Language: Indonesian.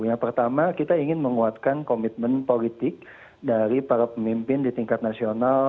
yang pertama kita ingin menguatkan komitmen politik dari para pemimpin di tingkat nasional